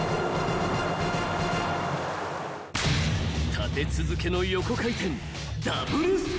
［立て続けの横回転］